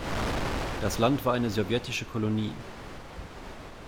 Das Land war eine sowjetische Kolonie.